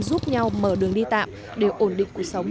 giúp nhau mở đường đi tạm để ổn định cuộc sống